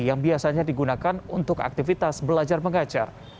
yang biasanya digunakan untuk aktivitas belajar mengajar